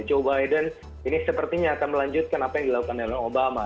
joe biden ini sepertinya akan melanjutkan apa yang dilakukan dana obama